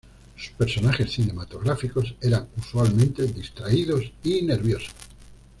Sus personajes cinematográficos eran usualmente distraídos y nerviosos.